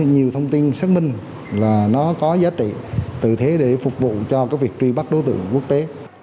nhiều thông tin xác minh là nó có giá trị tự thế để phục vụ cho việc truy bắt đối tượng quốc tế